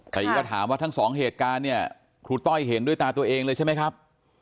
แต่ก็ถามว่าทั้งสองเหตุการณ์เนี่ยครูต้อยเห็นด้วยตาตัวเองเลยใช่ไหมครับ